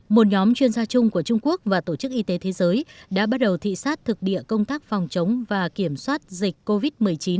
một nhóm chuyên gia chung của trung quốc và tổ chức y tế thế giới đã bắt đầu thị xác thực địa công tác phòng chống và kiểm soát dịch covid một mươi chín